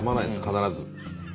必ず。